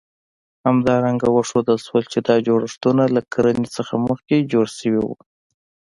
همدارنګه وښودل شول، چې دا جوړښتونه له کرنې نه مخکې جوړ شوي وو.